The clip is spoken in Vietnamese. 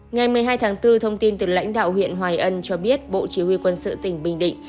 ngày một mươi hai tháng bốn thông tin từ lãnh đạo huyện hoài ân cho biết bộ chỉ huy quân sự tỉnh bình định